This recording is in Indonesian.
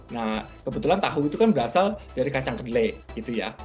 nah kebetulan tahu itu kan berasal dari kacang kedele gitu ya